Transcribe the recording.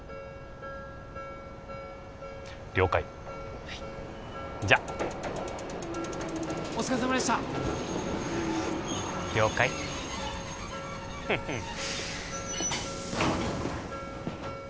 了解はいじゃあお疲れさまでした了解フフン